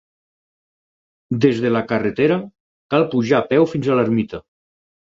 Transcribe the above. Des de la carretera, cal pujar a peu fins a l'ermita.